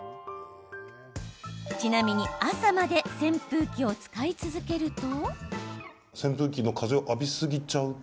ちなみに、朝まで扇風機を使い続けると。